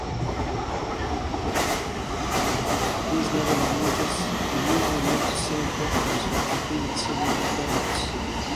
These Naval Aviators are usually mid to senior captains who have completed several deployments.